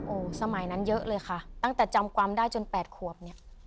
โอ้โหสมัยนั้นเยอะเลยค่ะตั้งแต่จำความได้จน๘ขวบเนี่ย